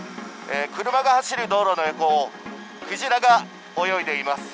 車が走る道路の横を、クジラが泳いでいます。